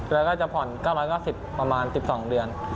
แล้วก็จะผ่อน๙ก็๑๐ประมาณ๑๒เดือน